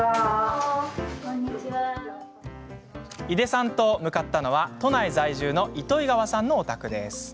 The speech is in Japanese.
井出さんと向かったのは都内在住の糸魚川さんのお宅。